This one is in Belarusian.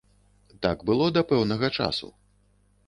Так было да пэўнага часу.